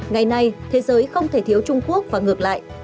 ngày nay thế giới không thể thiếu trung quốc và ngược lại